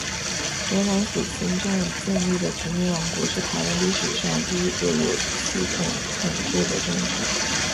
荷兰所侵占建立的殖民王国，是台湾历史上第一个有系统统治的政权。